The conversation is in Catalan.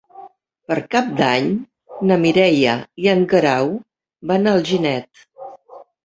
Per Cap d'Any na Mireia i en Guerau van a Alginet.